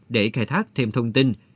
để khai thác thêm thông tin